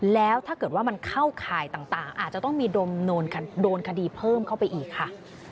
แล้วถ้าเกิดว่ามันเข้าข่ายต่างอาจจะต้องมีโดนคดีเพิ่มเข้าไปอีกค่ะ